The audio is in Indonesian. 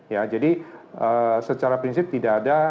ya jadi secara prinsip tidak ada